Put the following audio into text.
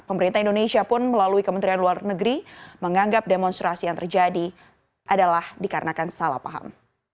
pemerintah indonesia pun melalui kementerian luar negeri menganggap demonstrasi yang terjadi adalah dikarenakan salah paham